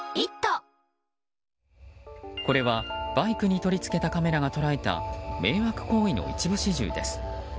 これはバイクに取り付けたカメラが捉えた迷惑行為の一部始終です。